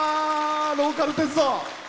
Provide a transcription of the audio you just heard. ローカル鉄道。